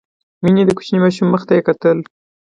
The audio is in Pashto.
مينې د کوچني ماشوم مخ ته يې کتل.